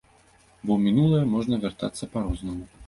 Бо ў мінулае можна вяртацца па-рознаму.